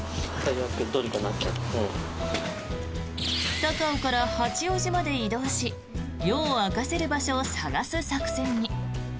高尾から八王子まで移動し夜を明かせる場所を探す作戦に。